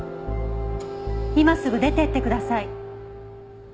今すぐ出ていってください。